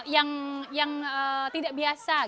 yang tidak biasa yang tidak bisa kita lakukan